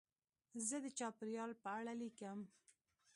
زه د چاپېریال په اړه لیکم.